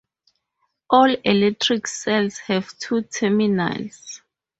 All electric cells have two terminals.